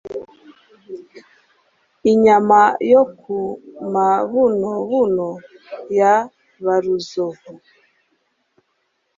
inyama yo ku mabunobuno ya Baruzovu